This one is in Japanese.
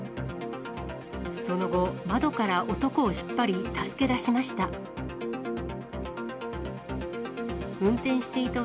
その後、窓から男を引っ張り、助け出しました。